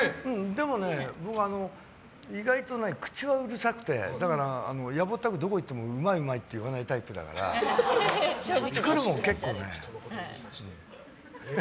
でもね、意外と口はうるさくてだから野暮ったくどこ行っても、うまいうまいって言わないタイプだから作るものは結構ね。